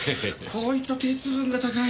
こいつは鉄分が高い！